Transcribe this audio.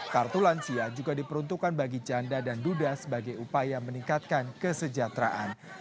kartu lansia juga diperuntukkan bagi janda dan duda sebagai upaya meningkatkan kesejahteraan